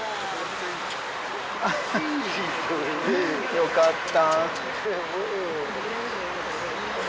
よかった。